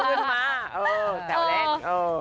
เอาเงินมา